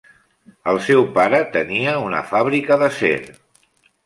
El seu pare tenia una fàbrica d'acer.